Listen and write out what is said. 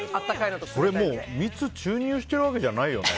これ、蜜を注入してるわけじゃないよね。